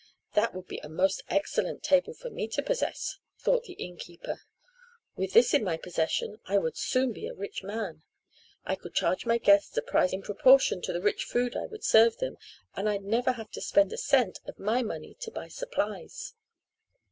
"That would be a most excellent table for me to possess," thought the innkeeper. "With this in my possession I would soon be a rich man. I could charge my guests a price in proportion to the rich food I would serve them, and I'd never have to spend a cent of my money to buy supplies."